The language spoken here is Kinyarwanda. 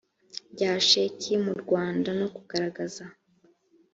rya sheki mu rwanda no kugaragaza